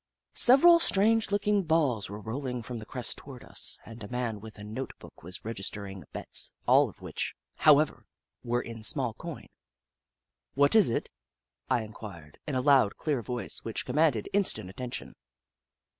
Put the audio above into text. Several strange looking balls were rolling from the crest toward us, and a man with a note book was registering bets, all of which, how ever, were in small coin. "What is it?" I inquired in a loud, clear voice which commanded instant attention.